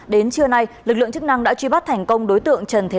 đến trưa nay lực lượng chức năng đã truy bắt thành công đối tượng trần thế